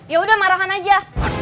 yaudah marahkan aja